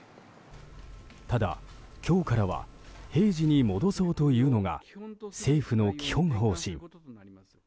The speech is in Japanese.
ただ、今日からは平時に戻そうというのが政府の基本方針。